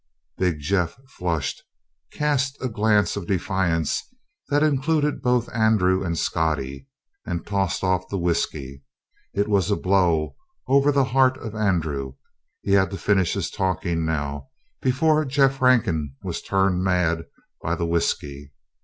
Big Jeff flushed, cast a glance of defiance that included both Andrew and Scottie, and tossed off the whisky. It was a blow over the heart for Andrew; he had to finish his talking now, before Jeff Rankin was turned mad by the whisky.